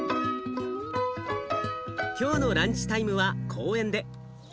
今日のランチタイムは公園で。